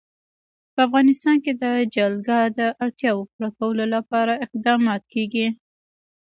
په افغانستان کې د جلګه د اړتیاوو پوره کولو لپاره اقدامات کېږي.